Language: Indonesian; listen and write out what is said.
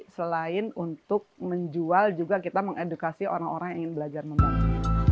selain untuk menjual juga kita mengedukasi orang orang yang ingin belajar membangun